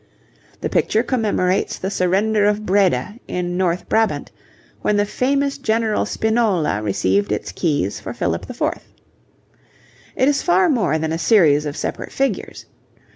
The picture commemorates the surrender of Breda in North Brabant, when the famous General Spinola received its keys for Philip IV. It is far more than a series of separate figures.